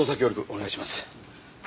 お願いします。